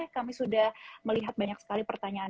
kami sudah melihat banyak sekali pertanyaan